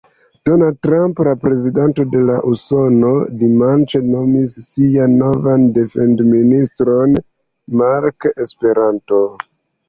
Donald Trump, la prezidento de Usono, dimanĉe nomis sian novan defendministron Mark Esperanto.